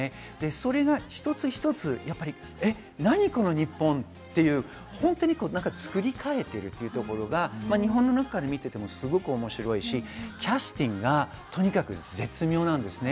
それが一つ一つ、何この日本っていう本当に作り変えているというところが日本の中から見ていても面白いし、キャスティングがとにかく絶妙です。